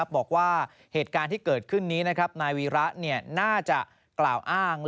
บอกว่าเหตุการณ์ที่เกิดขึ้นนี้นายวีระน่าจะกล่าวอ้าง